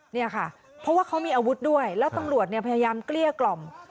เนี่ยค่ะเพราะว่าเขามีอาวุธด้วยแล้วตำรวจเนี่ยพยายามเกลี้ยกล่อม